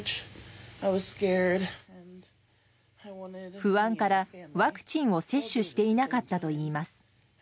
不安から、ワクチンを接種していなかったといいます。